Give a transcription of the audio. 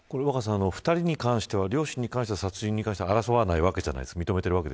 ２人に関しては両親に関しては殺人は争わないわけじゃないですか。